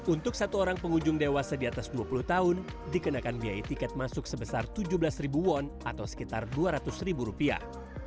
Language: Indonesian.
untuk satu orang pengunjung dewasa di atas dua puluh tahun dikenakan biaya tiket masuk sebesar tujuh belas ribu won atau sekitar dua ratus ribu rupiah